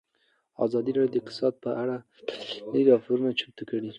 ازادي راډیو د اقتصاد په اړه تفصیلي راپور چمتو کړی.